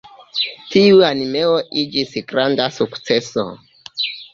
Tiu animeo iĝis granda sukceso.